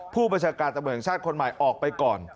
ผู้บัญชาการตำรวจแห่งชาติคนใหม่ออกไปก่อน